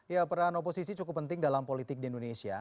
ya peran oposisi cukup penting dalam politik di indonesia